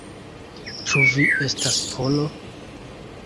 Ĉu vi estas Polo?